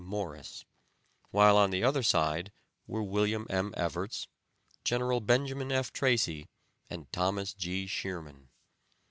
Morris; while on the other side were William M. Evarts, General Benjamin F. Tracy and Thomas G. Shearman.